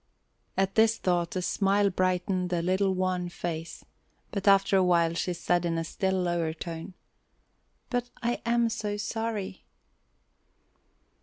At this thought a smile brightened the little wan face, but after a while she said in a still lower tone: "But I am so sorry!"